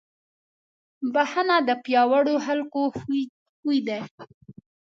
بښنه د پیاوړو خلکو خوی دی.